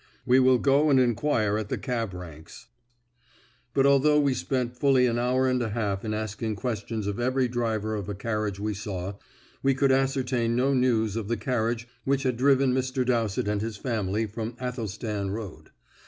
We will go and inquire at the cab ranks." But although we spent fully an hour and a half in asking questions of every driver of a carriage we saw, we could ascertain no news of the carriage which had driven Mr. Dowsett and his family from Athelstan Road.